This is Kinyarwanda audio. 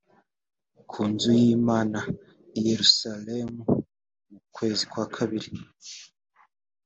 ku nzu y’imana i yerusalemu mu kwezi kwa kabiri